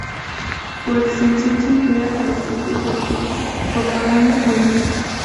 Por extensión se emplea para escritos de propaganda política.